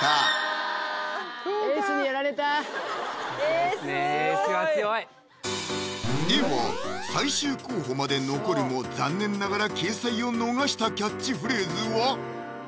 エースは強いでは最終候補まで残るも残念ながら掲載を逃したキャッチフレーズは？